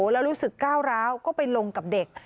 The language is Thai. แล้วรู้สึกก้าวร้าวก็ไปลงกับเด็ก